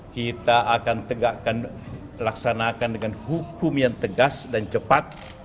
kita akan tegakkan laksanakan dengan hukum yang tegas dan cepat